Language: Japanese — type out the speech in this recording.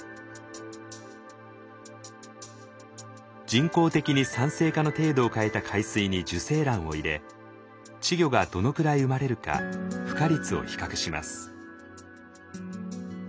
人工的に酸性化の程度を変えた海水に受精卵を入れ稚魚がどのくらい生まれるか孵化率を比較します。